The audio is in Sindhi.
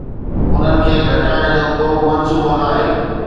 انهن کي گهٽائڻ جو ڪو به منصوبو ناهي